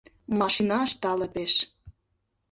Машинашт тале пеш.